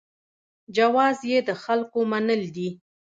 جواز یې د خلکو منل دي.